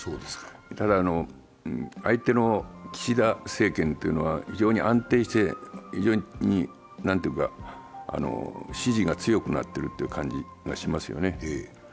ただ相手の岸田政権というのは非常に安定して、非常に支持が強くなっている感じがしますよね。